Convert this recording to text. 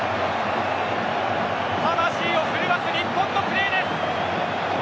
魂を震わす日本のプレーです。